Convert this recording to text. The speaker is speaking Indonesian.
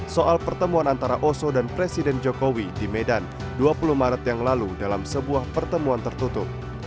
soal pertemuan antara oso dan presiden jokowi di medan dua puluh maret yang lalu dalam sebuah pertemuan tertutup